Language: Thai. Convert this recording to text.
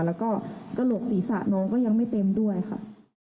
แล้วก็กระโหลกศีรษะน้องก็ยังไม่เต็มด้วยค่ะ